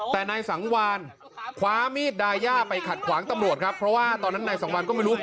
แต่นายสังวานคว้ามีดดาย่าไปขัดขวางตำรวจครับ